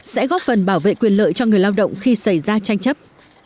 sẽ góp phần bảo vệ quyền lợi cho người lao động khi xảy ra tranh chấp